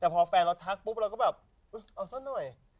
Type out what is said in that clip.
แต่พอแฟนเราทักปุ๊บเราก็แบบเอาซะหน่อย